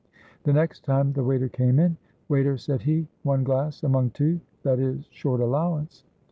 The next time the waiter came in, "Waiter," said he, "one glass among two, that is short allowance."